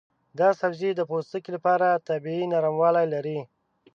دا سبزی د پوستکي لپاره طبیعي نرموالی لري.